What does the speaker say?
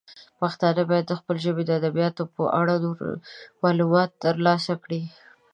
پښتانه باید د خپلې ژبې د ادبیاتو په اړه نور معلومات ترلاسه کړي.